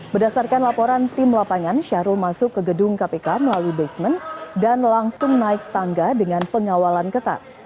berdasarkan laporan tim lapangan syahrul masuk ke gedung kpk melalui basement dan langsung naik tangga dengan pengawalan ketat